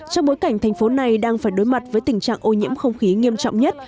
trong bối cảnh thành phố này đang phải đối mặt với tình trạng ô nhiễm không khí nghiêm trọng nhất